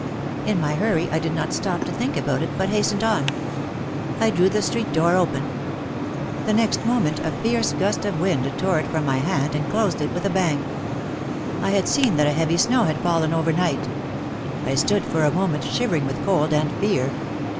In my hurry I did not stop to think about it but hastened on. I drew the street door open. The next moment a OUT OF THE SHADOW 117 fierce gust of wind tore it from my hand and closed it with a bang. I had seen that a heavy snow had fallen over night. I stood for a moment shivering with cold and fear.